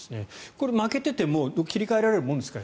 これ、負けていても切り替えられるもんですか。